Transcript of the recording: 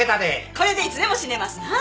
これでいつでも死ねますなあ？